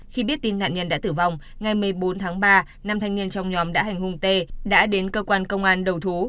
khi biết tin nạn nhân đã tử vong ngày một mươi bốn tháng ba năm thanh niên trong nhóm đã hành hung t đã đến cơ quan công an đầu thú